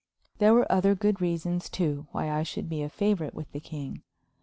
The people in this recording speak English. There were other good reasons, too, why I should be a favorite with the king.